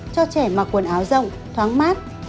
cho trẻ mặc quần áo rộng thoáng mát